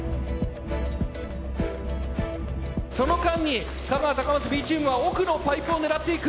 その間に香川高松Ｂチームは奥のパイプを狙っていく。